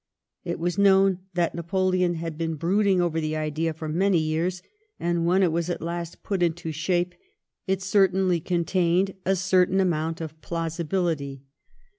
It was known that Napoleon had been brooding over the idea for many years, and when it was at last put into shape it certainly contained a certain amount of plausibility.